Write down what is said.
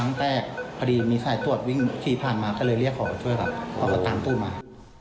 น่าดีเป็นเรื่องผู้ชายปกติ